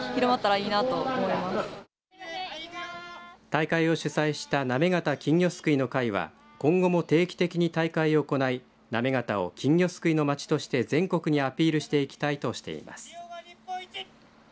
大会を主催した行方金魚すくいの会は今後も定期的に大会を行い行方を金魚すくいの街として全国にアピールしていきたいとしています。